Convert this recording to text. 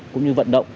cũng như vận động